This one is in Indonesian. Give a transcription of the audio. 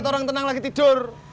tidur tenang tenang lagi tidur